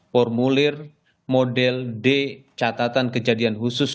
formulir model d catatan kejadian khusus